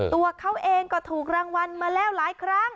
ตัวเขาเองก็ถูกรางวัลมาแล้วหลายครั้ง